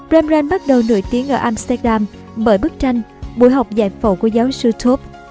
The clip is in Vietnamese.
rembrandt bắt đầu nổi tiếng ở amsterdam bởi bức tranh bổi học giải phầu của giáo sư túp